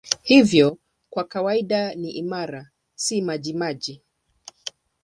Hivyo kwa kawaida ni imara, si majimaji.